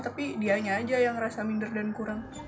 tapi dianya aja yang ngerasa minder dan kurang